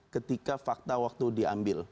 ketika fakta waktu diambil